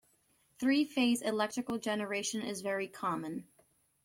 Three-phase electrical generation is very common.